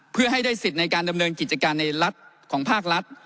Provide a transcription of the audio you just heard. เพื่อให้ได้สิทธิ์ในการดำเนินกิจการในรัฐของภาครัฐ